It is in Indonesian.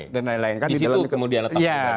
di situ kemudian letakkan